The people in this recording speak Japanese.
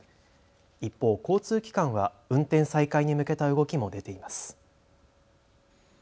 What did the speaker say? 一方、交通機関は運転再開に向けた動きも出ています。